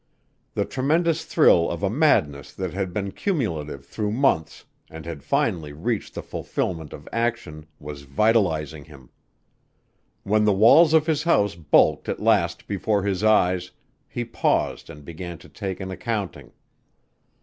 The tremendous thrill of a madness that had been cumulative through months and had finally reached the fulfillment of action, was vitalizing him. When the walls of his house bulked at last before his eyes, he paused and began to take an accounting.